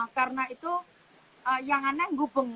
karena itu yang aneh gupeng